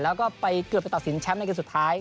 แล้วก็ไปเกือบไปตัดสินแชมป์ในเกมสุดท้าย